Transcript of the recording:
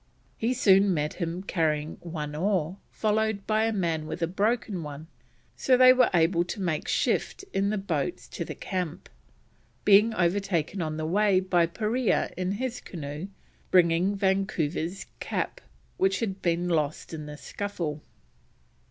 He soon met him carrying one oar, followed by a man with a broken one, so they were able to make shift in the boats to the camp, being overtaken on the way by Parea in his canoe bringing Vancouver's cap, which had been lost in the scuffle.